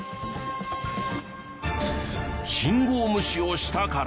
信号無視をしたから。